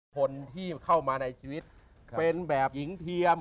คนที่เข้ามาในชีวิตเป็นแบบหญิงเทียม